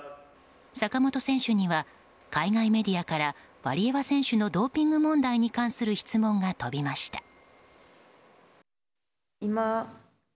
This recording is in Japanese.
坂本選手には海外メディアからワリエワ選手のドーピング問題に関する質問が飛びました。